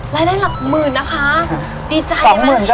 รายได้หลัก๑๐๐๐นะคะดีใจใช่